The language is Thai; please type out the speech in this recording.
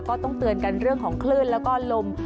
ก็ต้องเตือนกันเรื่องของคลื่นแล้วก็ลม